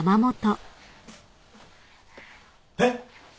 えっ！